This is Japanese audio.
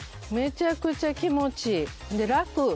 めちゃくちゃ気持ちいい。でラク。